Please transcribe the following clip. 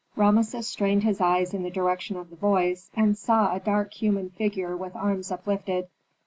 Rameses strained his eyes in the direction of the voice, and saw a dark human figure with arms uplifted.